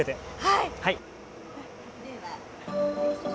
はい。